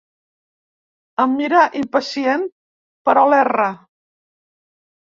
Em mira impacient, però l'erra.